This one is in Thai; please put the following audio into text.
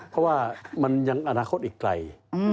เพราะว่ามันยังอนาคตอีกไกล